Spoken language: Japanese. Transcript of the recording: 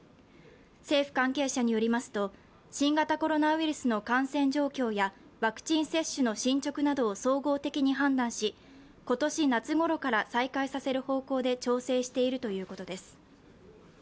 政府関係者によりますと新型コロナウイルスの感染状況やワクチン接種の進ちょくなどを総合的に判断し今年夏頃から再開させる方向で調整しているということです。